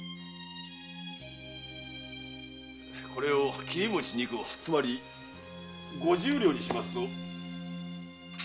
これを切餅二個つまり五十両にしますと。